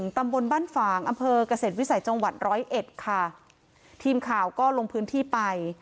ตำบลบ้านฝางอำเภอกเกษตรวิสัยจังหวัดร้อยเอ็ดค่ะทีมข่าวก็ลงพื้นที่ไป